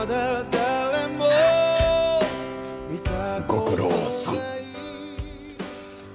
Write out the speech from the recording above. ご苦労さん。